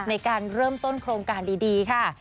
ในการเริ่มต้นโครงการดีค่ะ